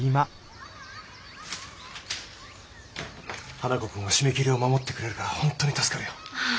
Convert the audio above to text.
花子君は締め切りを守ってくれるから本当に助かるよ。